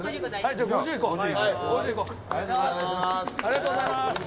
長嶋：ありがとうございます！